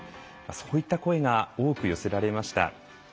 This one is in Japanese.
そういった声が多く寄せられました。